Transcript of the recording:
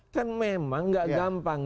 kan memang enggak gampang